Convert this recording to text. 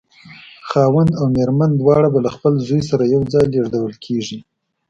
خاوند او مېرمن دواړه به له خپل زوی سره یو ځای لېږدول کېږي.